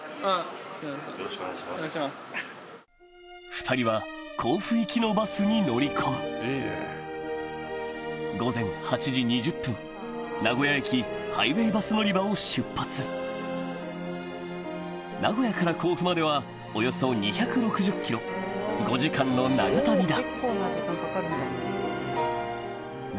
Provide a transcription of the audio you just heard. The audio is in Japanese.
２人は甲府行きのバスに乗り込む名古屋駅ハイウェイバスのりばを出発名古屋から甲府まではおよそ２６０ｋｍ５時間の長旅だ